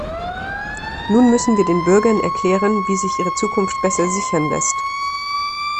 Nun müssen wir den Bürgern erklären, wie sich ihre Zukunft besser sichern lässt.